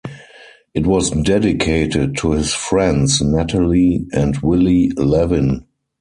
It was dedicated to his friends Natalie and Willy Levin.